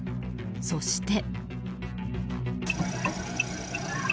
そして。